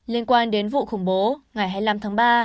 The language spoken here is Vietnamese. liên quan đến vụ khủng bố ngày hai mươi năm tháng ba